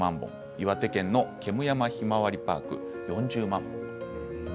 岩手県の煙山ひまわりパーク４０万本。